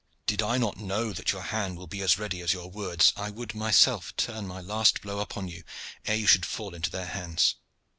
Did I not know that your hand will be as ready as your words I would myself turn my last blow upon you, ere you should fall into their hands.